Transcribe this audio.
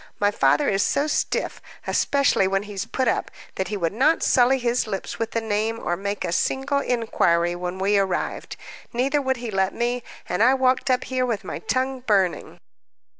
"My father is so stiff, especially when he's put up, that he would not sully his lips with the name, or make a single inquiry when we arrived; neither would he let me, and I walked up here with my tongue burning."